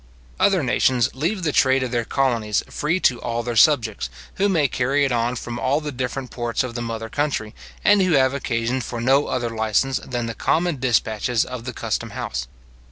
Other nations leave the trade of their colonies free to all their subjects, who may carry it on from all the different ports of the mother country, and who have occasion for no other license than the common despatches of the custom house.